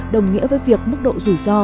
đồng nghĩa với việc mức độ rủi ro